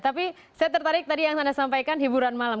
tapi saya tertarik tadi yang anda sampaikan hiburan malam